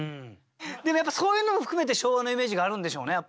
でもやっぱそういうのも含めて昭和のイメージがあるんでしょうね。